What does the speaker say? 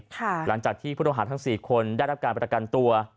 หลังจากที่ผู้ต้องหาทั้ง๔คนได้รับการประกันตัว